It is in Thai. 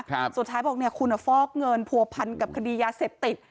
ครับสุดท้ายบอกเนี่ยคุณฟอกเงินผัวพันธุ์กับคดียาเสพติก